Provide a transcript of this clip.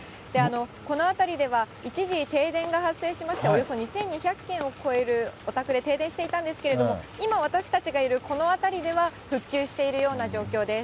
この辺りでは、一時停電が発生しまして、恐らく２２００軒を超えるお宅で停電していたんですけれども、今、私たちがいるこの辺りでは、復旧しているような状況です。